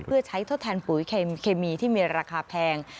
เพื่อใช้ทดแทนปุ๋ยเคมีที่มีราคาแพง